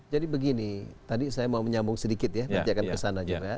jadi begini tadi saya mau menyambung sedikit ya nanti akan kesana juga